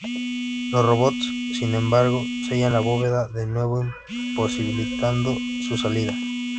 Los robots, sin embargo, sellan la bóveda de nuevo, imposibilitando su salida.